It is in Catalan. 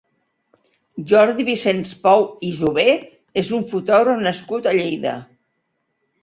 Jordi Vicenç Pou i Jové és un fotògraf nascut a Lleida.